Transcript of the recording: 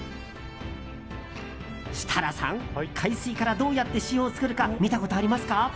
設楽さん、海水からどうやって塩を作るか見たことありますか？